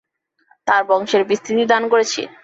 তার বংশের বিস্তৃতি দান করেছি।